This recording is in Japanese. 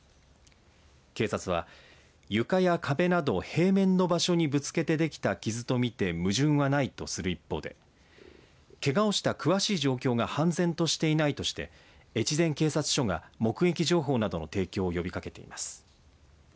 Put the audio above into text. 警察は、床や壁など平面の場所にぶつけでできた傷と見て矛盾はないとする一方でけがをした詳しい状況が判然としていないとして越前警察署が目撃情報などの提供を呼びかけています。